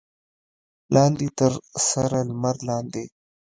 لاندې تر سره لمر لاندې.